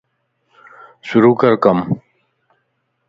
شروع ڪر ڪم